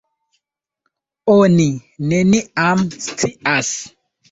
Oni neniam scias!